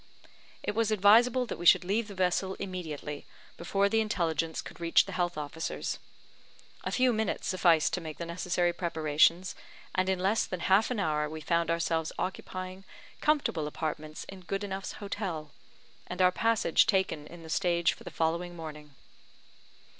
It was advisable that we should leave the vessel immediately, before the intelligence could reach the health officers. A few minutes sufficed to make the necessary preparations; and in less than half an hour we found ourselves occupying comfortable apartments in Goodenough's hotel, and our passage taken in the stage for the following morning.